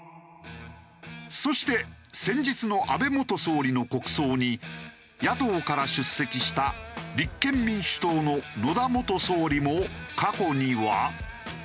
そして先日の安倍元総理の国葬に野党から出席した立憲民主党の野田元総理も過去には。